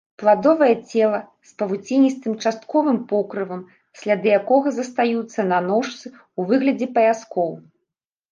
Пладовыя целы з павуціністым частковым покрывам, сляды якога застаюцца на ножцы ў выглядзе паяскоў.